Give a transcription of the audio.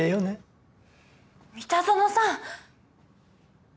三田園さん！